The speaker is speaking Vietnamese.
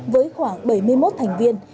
với khoảng bảy mươi một thành viên